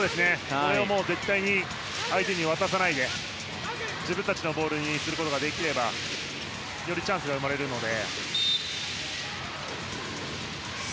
これは絶対に相手に渡さず自分たちのボールにすることができればよりチャンスが生まれるので。